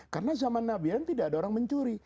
karena zaman nabi ibrahim tidak ada orang mencuri